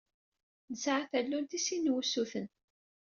Nesɛa tallunt i sin n wusuten.